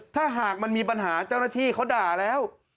ถ้าหากมันมีปัญหาเจ้าหน้าที่เขาด่าแล้ว